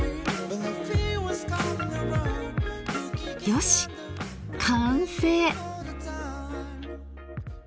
よし完成。